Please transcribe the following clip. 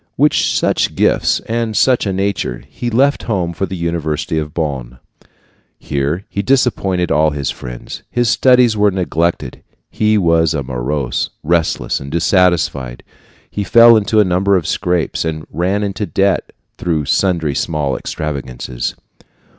With such gifts, and such a nature, he left home for the university of Bonn. Here he disappointed all his friends. His studies were neglected; he was morose, restless, and dissatisfied. He fell into a number of scrapes, and ran into debt through sundry small extravagances.